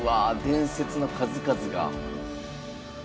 伝説の数々が。